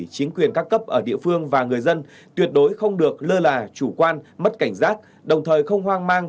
chính quyền các cấp ở địa phương và người dân tuyệt đối không được lơ là chủ quan mất cảnh giác đồng thời không hoang mang